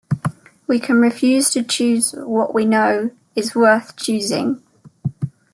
We can refuse to choose what we know is worth choosing.